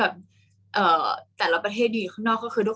กากตัวทำอะไรบ้างอยู่ตรงนี้คนเดียว